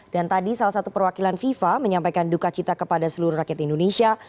dan tadi salah satu perwakilan fifa menyampaikan dukacita kepada seluruh rakyat indonesia